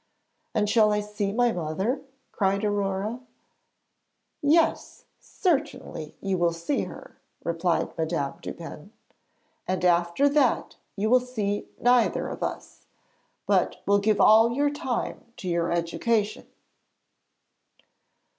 'And shall I see my mother?' cried Aurore. 'Yes; certainly you will see her,' replied Madame Dupin; 'and after that you will see neither of us, but will give all your time to your education.'